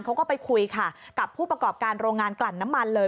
เขาก็ไปคุยค่ะกับผู้ประกอบการโรงงานกลั่นน้ำมันเลย